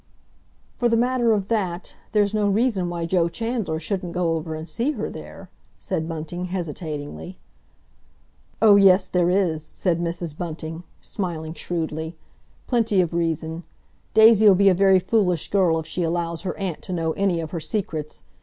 "For the matter of that, there's no reason why Joe Chandler shouldn't go over and see her there," said Bunting hesitatingly. "Oh, yes, there is," said Mrs. Bunting, smiling shrewdly. "Plenty of reason. Daisy'll be a very foolish girl if she allows her aunt to know any of her secrets.